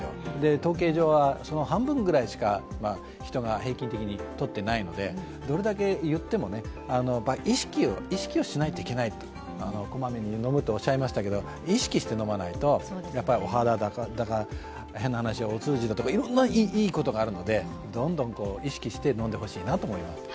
統計上はその半分しか人が平均的にとっていないのでどれだけ言っても、意識しないといけない、小まめに飲むとおっしゃいましたけど、意識して飲まないとやっぱりお肌とか、変な話、お通じだとかいろんないいことがあるのでどんどん意識して飲んでほしいなと思います。